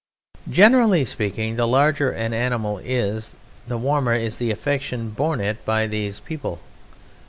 Generally speaking, the larger an animal is, the warmer is the affection borne it by these people.